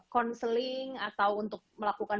counseling atau untuk melakukan